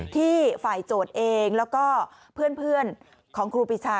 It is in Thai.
ที่ฝ่ายโจทย์เองแล้วก็เพื่อนของครูปีชา